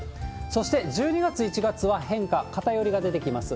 そして１２月、１月は変化、偏りが出てきます。